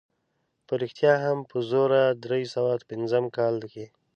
په رښتیا هم په زرو درې سوه پنځوسم کال کې.